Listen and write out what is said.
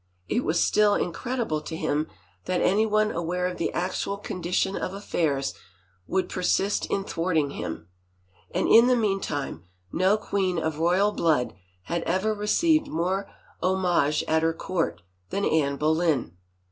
It was still incredible to him that anyone aware of the actual condi tion of affairs would persist in thwarting him. ... And in the meantime no queen of royal blood had ever re ceived more homage at her court than Anne Boleyn